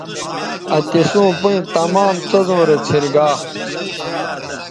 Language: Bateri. آ تِسوں پیئں تیوں تمام څیزوں رے څھنرگا